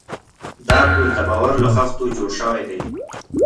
دا پُل د باور له خښتو جوړ شوی دی.